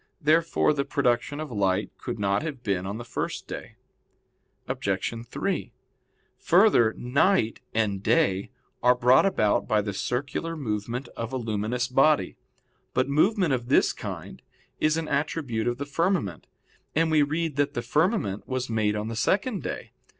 Therefore the production of light could not have been on the first day. Obj. 3: Further, night and day are brought about by the circular movement of a luminous body. But movement of this kind is an attribute of the firmament, and we read that the firmament was made on the second day.